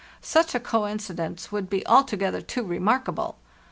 Such a coincidence would be alto gether too remarkable.